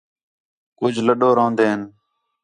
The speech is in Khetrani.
کُج لُڈو روندین